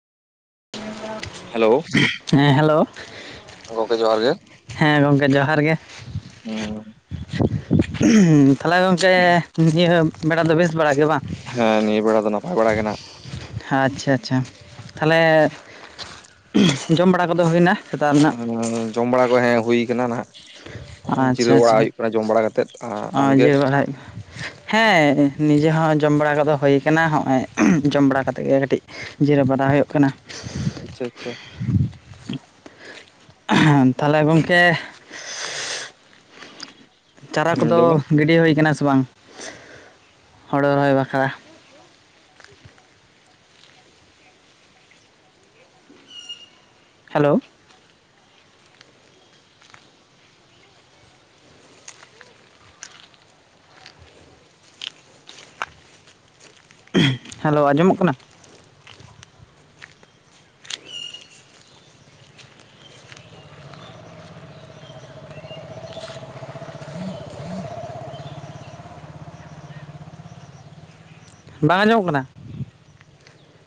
ᱦᱮᱸ ᱦᱮᱞᱳ ᱛᱚ ᱜᱚᱝᱠᱮ ᱡᱚᱦᱟᱨ ᱜᱮ ᱦᱮᱸ ᱜᱚᱝᱠᱮ ᱡᱚᱦᱟᱨ ᱜᱮ ᱛᱟᱞᱦᱮ ᱜᱚᱝᱠᱮ ᱱᱤᱭᱟᱹ ᱵᱮᱲᱟ ᱫᱚ ᱵᱮᱥ ᱵᱟᱲ ᱜᱮ ᱵᱟᱝ ᱦᱮᱸ ᱱᱤᱭᱟᱹ ᱵᱮᱲᱟ ᱫᱚ ᱱᱟᱯᱟᱭ ᱵᱟᱲᱟ ᱜᱮ ᱱᱟᱜ ᱟᱪᱪᱷᱟ ᱟᱪᱪᱷᱟ ᱛᱷᱟᱞᱮ ᱡᱚᱢ ᱵᱟᱲᱟ ᱠᱚᱫᱚ ᱦᱩᱭ ᱱᱟᱛᱟᱜ ᱦᱮᱸ ᱡᱚᱢ ᱵᱟᱲᱟ ᱠᱚ ᱦᱮᱸ ᱦᱩᱭᱩ ᱠᱟᱱᱟ ᱱᱟᱦᱟᱜ ᱟᱪᱪᱷᱟ ᱡᱤᱨᱟᱹᱣ ᱟᱪᱪᱷᱟ ᱵᱟᱲᱟ ᱦᱩᱭᱩᱜ ᱠᱟᱱᱟ ᱡᱚᱢ ᱵᱟᱲᱟ ᱠᱟᱛᱮᱫ ᱟᱢ ᱜᱮ? [unintelligible] ᱦᱮᱸ ᱱᱤᱡᱮ ᱦᱚᱸ ᱡᱚᱢ ᱵᱟᱲᱟ ᱠᱚᱫᱚ ᱦᱳᱭ ᱠᱟᱱᱟ᱾ ᱦᱚᱸᱜᱼᱚᱭ ᱡᱚᱢ ᱵᱟᱲᱟ ᱠᱟᱛᱮ ᱜᱮ ᱠᱟᱹᱴᱤᱡ ᱡᱤᱨᱟᱹᱣ ᱵᱟᱲᱟ ᱦᱳᱭᱳᱜ ᱠᱟᱱᱟ᱾ ᱟᱪᱪᱷᱟᱻ ᱟᱪᱪᱷᱟᱻ᱾ ᱛᱟᱦᱟᱞᱮ ᱜᱚᱝᱠᱮ ᱪᱟᱨᱟ ᱠᱚᱫᱚ ᱞᱟᱹᱭ ᱢᱮ ᱜᱤᱰᱤ ᱦᱳᱭ ᱠᱟᱱᱟ ᱥᱮ ᱵᱟᱝ ᱦᱳᱲᱳ ᱨᱚᱦᱚᱭ ᱵᱟᱠᱷᱨᱟ? ᱦᱮᱞᱳ ᱦᱮᱞᱳ ᱟᱸᱡᱚᱢᱚᱜ ᱠᱟᱱᱟ? ᱵᱟᱝ ᱟᱸᱡᱚᱢᱚᱜ ᱠᱟᱱᱟ᱾